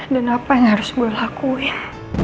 dan apa yang harus gue lakuin